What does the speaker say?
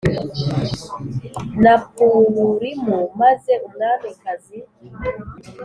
na Purimu maze umwamikazi